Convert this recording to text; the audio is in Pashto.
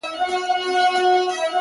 دا ماته هینداره جوړومه نور ,